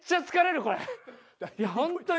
いやホントに。